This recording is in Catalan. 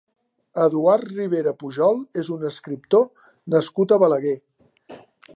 Eduard Ribera Pujol és un escriptor nascut a Balaguer.